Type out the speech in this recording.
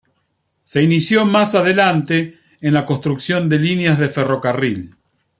Se inició más adelante en la construcción de líneas de ferrocarril.